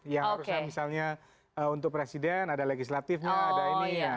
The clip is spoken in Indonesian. yang harusnya misalnya untuk presiden ada legislatif ada ini ini